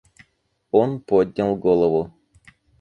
Он поднял голову.